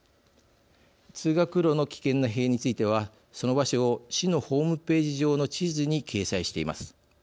通学路の危険な塀についてはその場所を市のホームページ上の地図に掲載しています。